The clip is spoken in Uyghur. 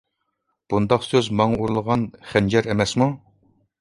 بۇنداق سۆز ماڭا ئۇرۇلغان خەنجەر ئەمەسمۇ.